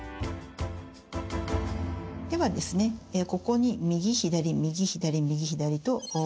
ではですね、ここに右、左右、左、右、左と、こう。